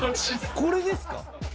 これでですか。